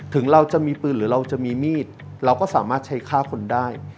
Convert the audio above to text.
ถึงเราจะมีปืนหรือเราจะมีมีดเราก็สามารถใช้ฆ่าคนได้